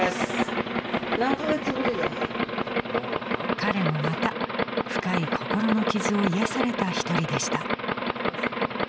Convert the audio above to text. ［彼もまた深い心の傷を癒やされた一人でした］